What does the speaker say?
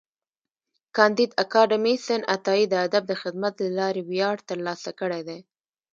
کانديد اکاډميسن عطایي د ادب د خدمت له لارې ویاړ ترلاسه کړی دی.